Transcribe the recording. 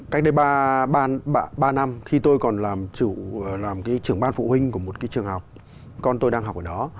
cách đây ba năm khi tôi còn làm cái trưởng ban phụ huynh của một cái trường học con tôi đang học ở đó